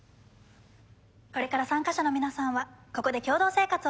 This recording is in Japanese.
これから参加者の皆さんはここで共同生活を送ってもらいます。